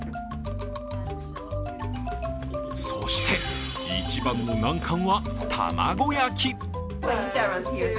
そして、一番の難関は卵焼き。